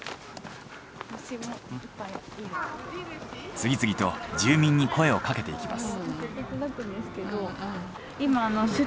次々と住民に声をかけていきます。